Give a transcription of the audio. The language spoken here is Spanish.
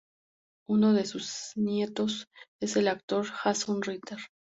Uno de sus nietos es el actor Jason Ritter.